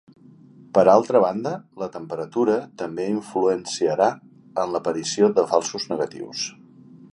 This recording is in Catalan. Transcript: Per altra banda, la temperatura també influenciarà en l'aparició de falsos negatius.